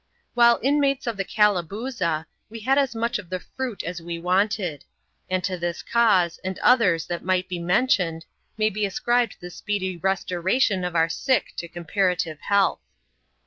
While inmates of the Calabooza, we had as much of the fruit as we wanted ; and to this cause, and others that might be i&entioned, may be ascribed the speedy restoration of our sick to comparative health.